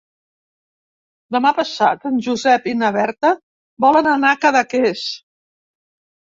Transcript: Demà passat en Josep i na Berta volen anar a Cadaqués.